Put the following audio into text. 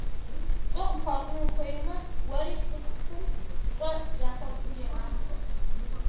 ПщӀэ къыпхуащӀыну ухуеймэ, уэри цӏыхум пщӏэ яхуэпщӏу зегъасэ.